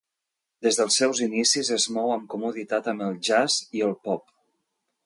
Des dels seus inicis es mou amb comoditat amb el jazz i el pop.